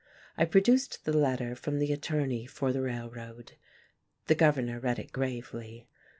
I produced the letter from the attorney for the Railroad. The Governor read it gravely.